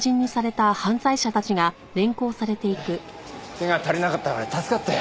手が足りなかったから助かったよ。